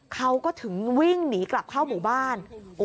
เขาก็ถึงวิ่งหนีกลับเข้าหมู่บ้าน